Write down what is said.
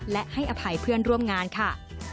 และให้อภัยเพื่อนร่วมงานค่ะ